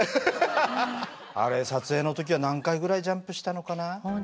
あれ撮影の時は何回ぐらいジャンプしたのかな。